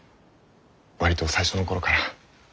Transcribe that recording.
割と最初の頃から。